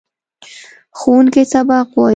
ښوونکی سبق وايي.